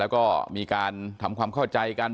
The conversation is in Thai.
แล้วก็มีการทำความเข้าใจกัน